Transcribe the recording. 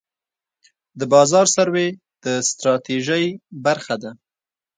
د بازار سروې د ستراتیژۍ برخه ده.